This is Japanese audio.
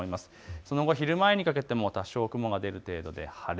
その後、昼前にかけても雲が多少出る程度で晴れ。